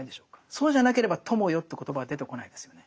そうじゃなければ「友よ」という言葉は出てこないですよね。